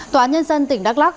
tòa án nhân dân tỉnh đắk lắc